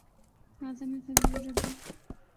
ھذا من فضْل ربی۔